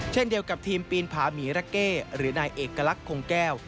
เช่นเดียวกับทีมปีนผาหมีระเก้หรือนายเอกลักษณ์คงแก้ว